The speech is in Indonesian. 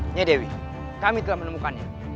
ini dewi kami telah menemukannya